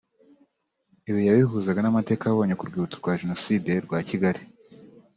Ibi yabihuzaga n’amateka yabonye mu Rwibutso rwa Jenoside rwa Kigali